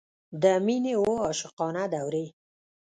د مینې اوه عاشقانه دورې.